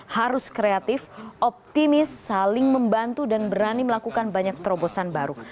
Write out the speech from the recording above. harus kreatif optimis saling membantu dan berani melakukan banyak terobosan baru